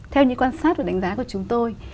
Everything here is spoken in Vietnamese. theo những quan sát và đánh giá của chúng tôi